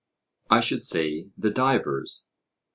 I should say, the divers.